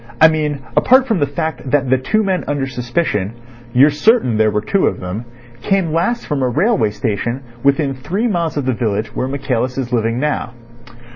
I mean apart from the fact that the two men under suspicion—you're certain there were two of them—came last from a railway station within three miles of the village where Michaelis is living now."